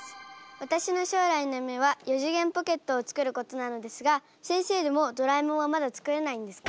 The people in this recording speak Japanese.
私の将来の夢は４次元ポケットを作ることなのですが先生でもドラえもんはまだ作れないんですか？